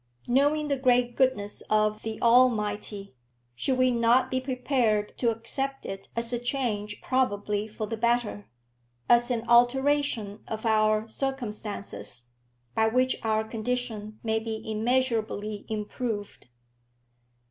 Knowing the great goodness of the Almighty, should we not be prepared to accept it as a change probably for the better; as an alteration of our circumstances, by which our condition may be immeasurably improved?